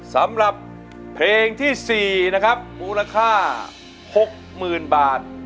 สำหรับเพลงที่สี่นะครับมูลค่าหกมื้อนบาท